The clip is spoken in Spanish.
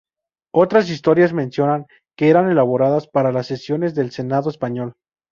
Otras historias mencionan que eran elaboradas para las sesiones del senado español.